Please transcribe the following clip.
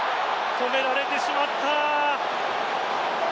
止められてしまった。